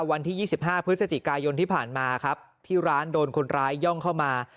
วันที่๒๕พฤศจิกายนที่ผ่านมาครับที่ร้านโดนคนร้ายย่องเข้ามา